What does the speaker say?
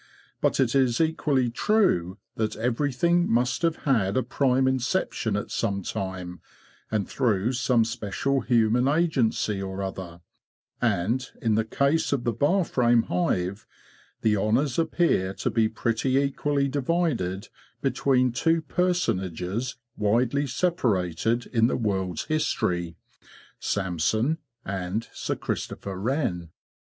But it is equally true that everything must have had a prime inception at some time, and through some special human agency or other; and, in the case of the bar frame hive, the honours appear to be pretty equally divided between two personages widely separated in the world's history—Samson and Sir Christopher Wren.